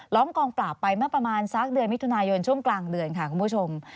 ้อมกองปราบไปเมื่อประมาณสักเดือนมิถุนายนช่วงกลางเดือนค่ะคุณผู้ชม